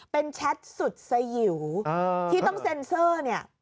เป็นแชทสุดสยิวที่ต้องเซ็นเซอร์เนี่ย